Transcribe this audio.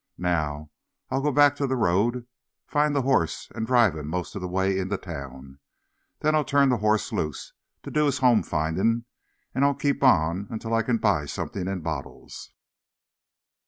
"Now, I'll go back to the road, find the hoss, an' drive him most of the way into town. Then I'll turn the hoss loose, to do his home findin' an' I'll keep on until I can buy something in bottles."